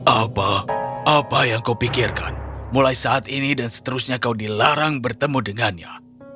apa apa yang kau pikirkan mulai saat ini dan seterusnya kau dilarang bertemu dengannya